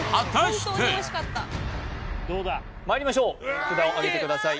まいりましょう札をあげてください